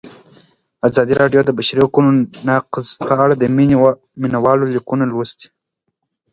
ازادي راډیو د د بشري حقونو نقض په اړه د مینه والو لیکونه لوستي.